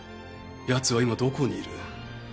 やつは今どこにいる？